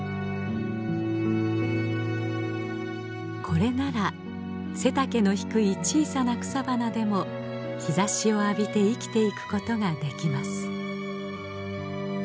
これなら背丈の低い小さな草花でも日ざしを浴びて生きていくことができます。